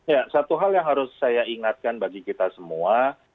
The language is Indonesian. ya satu hal yang harus saya ingatkan bagi kita semua